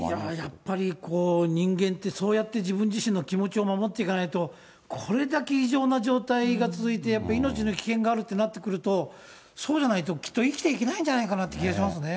やっぱり人間って、そうやって自分自身の気持ちを守っていかないと、これだけ異常な状態が続いて、やっぱり命の危険があるってなってくると、そうじゃないと、きっと生きていけないんじゃないかなという気がしますね。